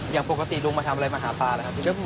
อย่างปกติลุงมาทำอะไรมาหาปลานะครับ